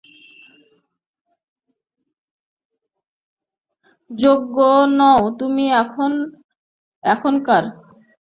যোগ্য নও তুমি এখানকার।